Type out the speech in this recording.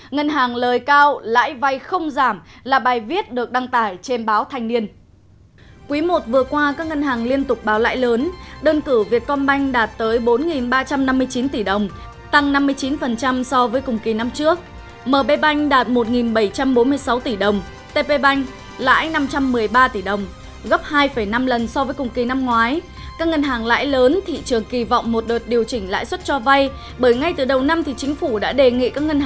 ngân hàng lời cao lãi vay không giảm là bài viết được đăng tải trên báo thanh niên